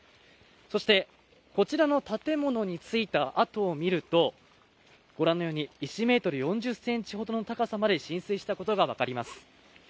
そしてこちらの建物についた跡を見るとご覧のように１メートル４０センチほどの高さまで浸水したことが分かります